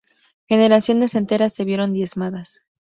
Generaciones enteras se vieron diezmadas.